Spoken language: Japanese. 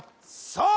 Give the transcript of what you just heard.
さあ